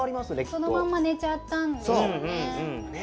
そのまんまねちゃったんでしょうね。